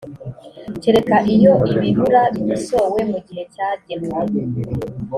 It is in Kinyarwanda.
kereka iyo ibibura bikosowe mu gihe cyagenwe.